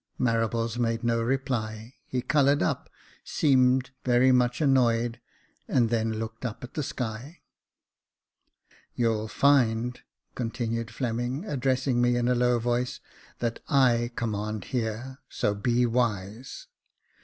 Marables made no reply ; he coloured up, seemed very much annoyed, and then looked up at the sky. " You'll find," continued Fleming, addressing me in a low voice, " that I command here — so be wise.